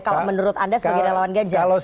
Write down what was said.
kalau menurut anda sebagai relawan ganjar